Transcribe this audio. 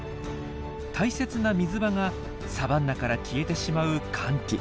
大切な水場がサバンナから消えてしまう乾季。